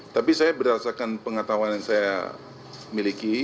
tapi saya berdasarkan pengetahuan yang saya miliki